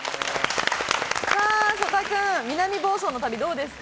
曽田君、南房総の旅、どうですか？